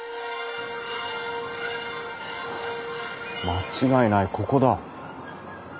間違いないここだ。